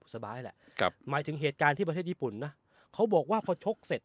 สบายแหละหมายถึงเหตุการณ์ที่ประเทศญี่ปุ่นนะเขาบอกว่าพอชกเสร็จ